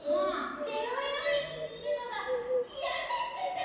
レオレオ駅にいるのがいやになっちゃったとか？